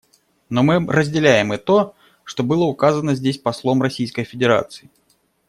Но мы разделяем и то, что было указано здесь послом Российской Федерации.